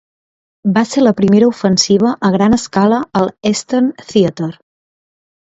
Va ser la primera ofensiva a gran escala a l'Eastern Theater.